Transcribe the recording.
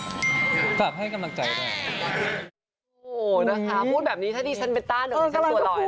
โอ้โฮนะคะพูดแบบนี้ท่านดีฉันเป็นตาหนึ่งเพื่อนฉันตัวลอย